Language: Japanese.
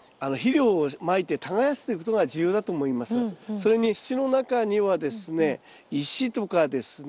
それに土の中にはですね石とかですね